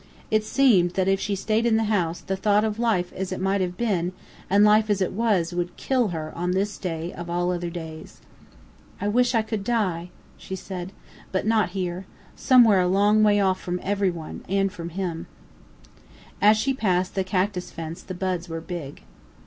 It seemed that if she stayed in the house the thought of life as it might have been and life as it was would kill her on this day of all other days. "I wish I could die!" she said. "But not here. Somewhere a long way off from everyone and from him." As she passed the cactus fence the buds were big.